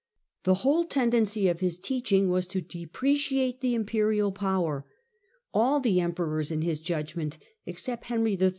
The whole tendency of his teach ing was to depreciate the imperial power; all the emperors, in his judgment, except Henry III.